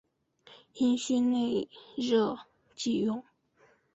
阴虚内热忌用。